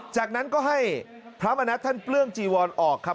จากนั้นก็ให้พระมณัฐท่านเปลื้องจีวอนออกครับ